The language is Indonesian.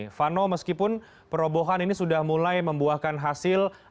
silvano meskipun perobohan ini sudah mulai membuahkan hasil